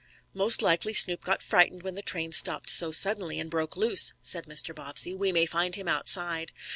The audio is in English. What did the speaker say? "Most likely Snoop got frightened when the train stopped so suddenly, and broke loose," said Mr. Bobbsey. "We may find him outside."